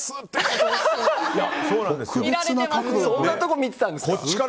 そんなとこ見てたんですか！